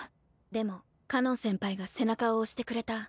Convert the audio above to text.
でもかのん先輩が背中を押してくれた。